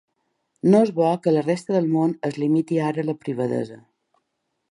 No és bo que a la resta del món es limiti ara la privadesa.